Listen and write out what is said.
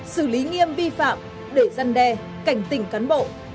xử lý nghiêm vi phạm để giăn đe cảnh tỉnh cán bộ